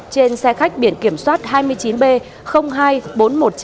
trên xe khách biển kiểm soát hai mươi chín b hai bốn trăm một mươi chín